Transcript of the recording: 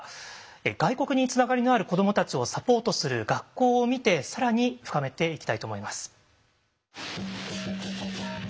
外国につながりのある子どもたちをサポートする学校を見て更に深めていきたいと思います。